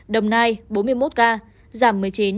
đồng nai bốn mươi một ca giảm một mươi chín